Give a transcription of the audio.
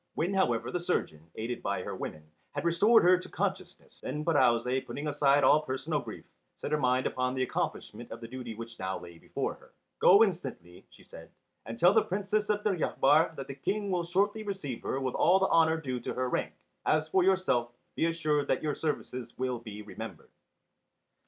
When however the surgeon, aided by her women, had restored her to consciousness, then Pirouzè, putting aside all personal grief, set her mind upon the accomplishment of the duty which now lay before her. "Go instantly," she said, "and tell the Princess of Deryabar that the King will shortly receive her with all the honour due to her rank. As for yourself, be assured that your services will be remembered."